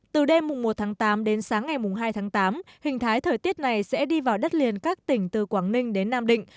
từ đêm một tháng tám đến sáng ngày hai tháng tám hình thái thời tiết này sẽ đi vào đất liền các tỉnh từ quảng ninh đến nam định